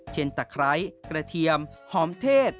ตะไคร้กระเทียมหอมเทศ